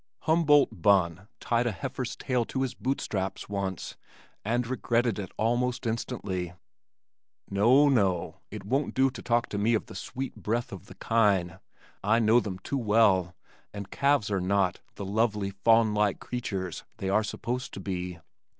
Humboldt Bunn tied a heifer's tail to his boot straps once and regretted it almost instantly. No, no, it won't do to talk to me of "the sweet breath of kine." I know them too well and calves are not "the lovely, fawn like creatures" they are supposed to be.